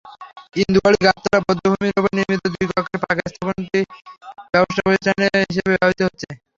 ইন্দুবাড়ি গাবতলা বধ্যভূমির ওপর নির্মিত দুই কক্ষের পাকা স্থাপনাটি ব্যবসাপ্রতিষ্ঠান হিসেবে ব্যবহৃত হচ্ছে।